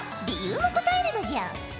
理由も答えるのじゃ。